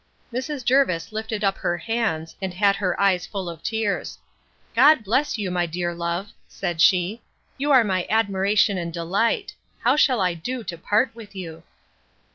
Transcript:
Mrs. Jervis lifted up her hands, and had her eyes full of tears. God bless you, my dear love! said she; you are my admiration and delight.—How shall I do to part with you!